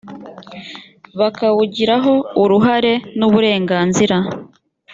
bakawugiraho uruhare n uburenganzira